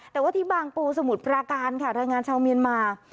แต่ว่าที่บางปูสมุทรปราการค่ะแรงงานชาวเมียนมา